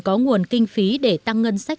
có nguồn kinh phí để tăng ngân sách